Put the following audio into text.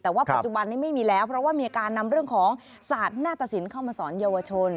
แต่ว่าปัจจุบันนี้ไม่มีแล้วเพราะว่ามีอาการนำเรื่องของศาสตร์หน้าตะสินเข้ามาสอนเยาวชน